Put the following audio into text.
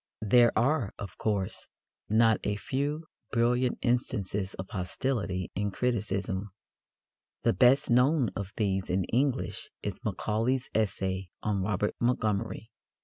There are, of course, not a few brilliant instances of hostility in criticism. The best known of these in English is Macaulay's essay on Robert Montgomery.